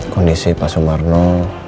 kondisi pak sumarno